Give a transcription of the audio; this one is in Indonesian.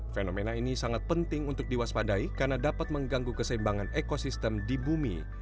fenomena ini sangat penting untuk diwaspadai karena dapat mengganggu keseimbangan ekosistem di bumi